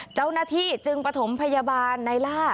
เจ้านาฏี่จึงปฐมพยาบาลไนร่า